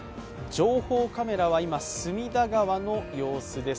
情報カメラは今隅田川の様子です。